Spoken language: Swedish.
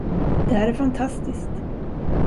Det här är fantastiskt!